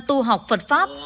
tu học phật pháp